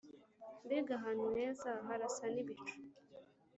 mbega ahantu heza, harasa n'ibicu